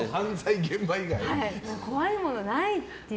怖いものないっていう。